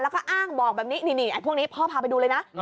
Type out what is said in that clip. แล้วก็อ้างบอกแบบนี้นี่พวกนี้พ่อพาไปดูเลยนะ